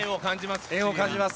縁を感じます。